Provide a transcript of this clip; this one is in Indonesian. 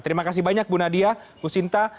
terima kasih banyak bu nadia bu sinta